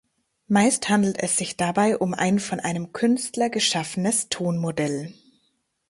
Meist handelt es sich dabei um ein von einem Künstler geschaffenes Tonmodell.